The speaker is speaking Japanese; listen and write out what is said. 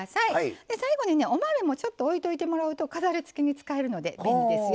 最後にねお豆もちょっと置いておいてもらうと飾りつけに使えるので便利ですよ。